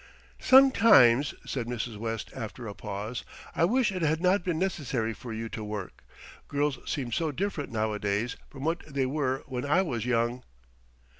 "Sometimes," said Mrs. West after a pause, "I wish it had not been necessary for you to work. Girls seem so different nowadays from what they were when I was young."